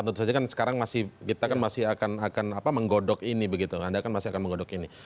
tentu saja kan sekarang kita kan masih akan menggodok ini begitu anda kan masih akan menggodok ini